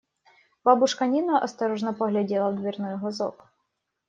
Бабушка Нина осторожно поглядела в дверной глазок.